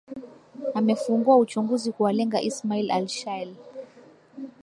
amefunguwa uchunguzi kuwalenga ismail al shael